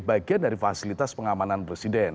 bagian dari fasilitas pengamanan presiden